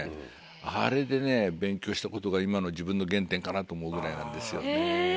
あれで勉強したことが今の自分の原点かなと思うぐらいなんですよ。